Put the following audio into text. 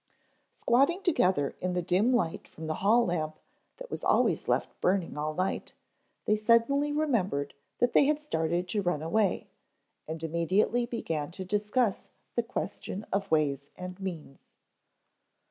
Squatting together in the dim light from the hall lamp that was always left burning all night, they suddenly remembered that they had started to run away and immediately began to discuss the question of ways and means.